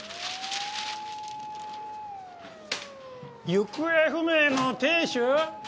行方不明の亭主？